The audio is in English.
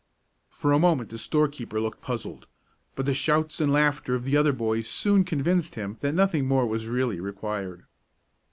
For a moment the storekeeper looked puzzled, but the shouts and laughter of the other boys soon convinced him that nothing more was really required.